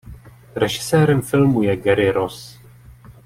Režisérem filmu je Gary Ross.